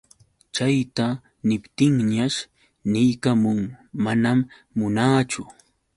Chayta niptinñash niykamun: manam munaachu.